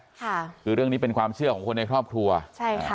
ค่ะคือเรื่องนี้เป็นความเชื่อของคนในครอบครัวใช่ค่ะ